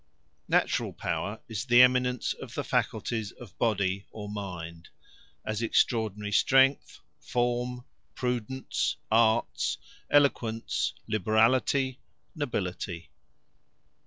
Naturall Power, is the eminence of the Faculties of Body, or Mind: as extraordinary Strength, Forme, Prudence, Arts, Eloquence, Liberality, Nobility.